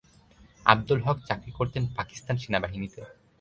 আবদুল হক চাকরি করতেন পাকিস্তান সেনাবাহিনীতে।